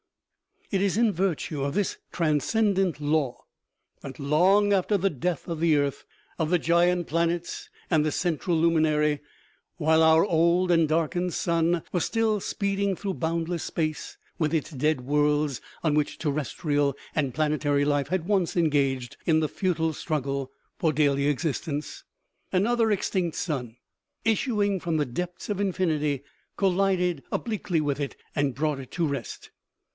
It is in virtue of this transcendent law that, long after the death of the earth, of the giant planets and the central luminary, while our old and darkened sun was still speeding through boundless space, with its dead worlds on which terrestrial and planetary life had once engaged in the futile struggle for daily existence, another extinct sun, issuing from the depths of infinity, collided obliquely with it and brought it to rest